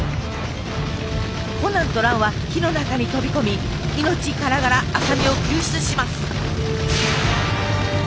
コナンと蘭は火の中に飛び込み命からがら麻美を救出します。